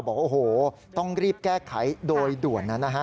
บอกว่าโอ้โหต้องรีบแก้ไขโดยด่วนนะฮะ